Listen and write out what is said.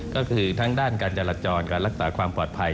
ก็คือทั้งด้านการจราจรการรักษาความปลอดภัย